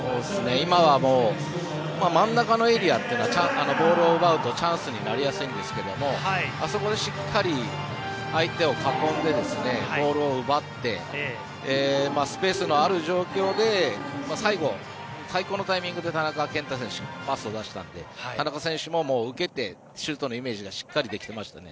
今は真ん中のエリアというのはボールを奪うとチャンスになりやすいんですがあそこでしっかり相手を囲んでボールを奪ってスペースのある状況で最後、最高のタイミングで田中健太選手にパスを出したので田中選手も受けて、シュートのイメージがしっかりできていましたね。